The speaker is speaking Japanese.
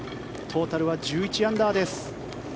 トータルは１１アンダーです。